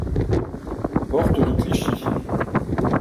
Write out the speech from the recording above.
Porte de Clichy.